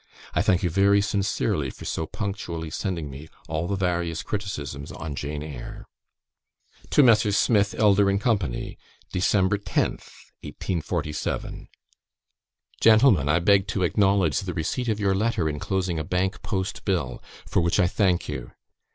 I thank you very sincerely for so punctually sending me all the various criticisms on "Jane Eyre"." TO MESSRS. SMITH, ELDER, AND CO. "Dec. 10th, 1847. "Gentlemen, I beg to acknowledge the receipt of your letter inclosing a bank post bill, for which I thank you.